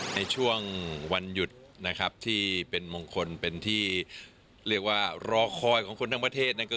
ในช่วงวันหยุดนะครับที่เป็นมงคลเป็นที่เรียกว่ารอคอยของคนทั้งประเทศ